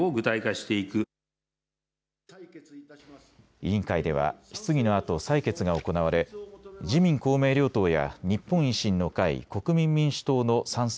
委員会では質疑のあと採決が行われ自民公明両党や日本維新の会、国民民主党の賛成